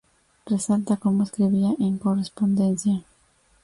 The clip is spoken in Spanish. Resalta cómo escribía "en correspondencia".